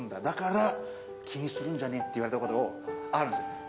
だから気にするんじゃねえって言われたことがあるんですよ。